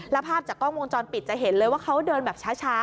แล้วภาพจากกล้องวงจรปิดจะเห็นเลยว่าเขาเดินแบบช้า